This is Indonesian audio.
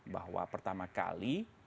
bahwa pertama kali